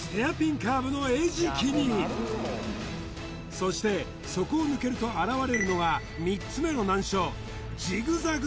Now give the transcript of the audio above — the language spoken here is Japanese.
そしてそこを抜けると現れるのが３つ目の難所ジグザグ